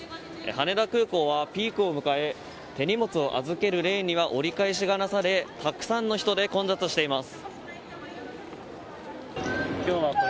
羽田空港はピークを迎え手荷物を預けるレーンには折り返しがなされたくさんの人で混雑しています。